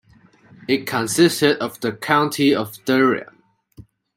It consisted of the county of Durham.